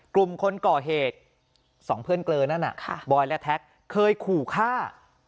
กลุ่มคนก่อเหตุสองเพื่อนเกลอนั่นบอยและแท็กเคยขู่ฆ่า